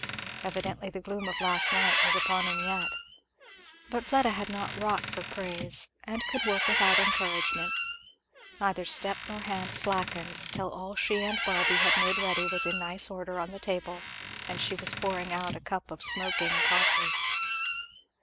Evidently the gloom of last night was upon him yet. But Fleda had not wrought for praise, and could work without encouragement; neither step nor hand slackened, till all she and Barby had made ready was in nice order on the table and she was pouring out a cup of smoking coffee.